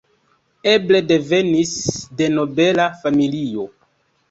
Eble devenis de nobela familio.